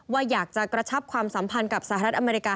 ว่าอยากจะกระชับความสัมพันธ์กับสหรัฐอเมริกา